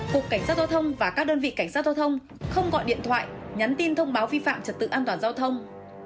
cục cảnh sát giao thông và các đơn vị cảnh sát giao thông không gọi điện thoại nhắn tin thông báo vi phạm trật tự an toàn giao thông